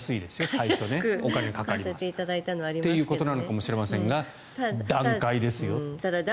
最初、お金かかりますからということなのかもしれませんが段階ですよと。